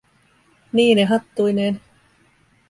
Niine hattuineen.